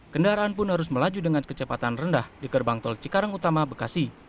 kendaraan pun harus melaju dengan kecepatan rendah di gerbang tol cikarang utama bekasi